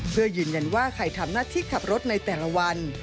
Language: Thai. เพื่อยืนยันว่าใครทำหน้าที่ขับรถในแต่ละวัน